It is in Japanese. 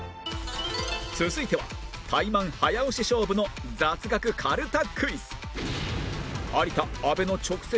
続いてはタイマン早押し勝負の雑学かるたクイズ